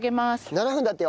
７分だってよ。